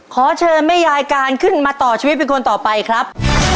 ขอเชิญแม่ยายการขึ้นมาต่อชีวิตเป็นคนต่อไปครับ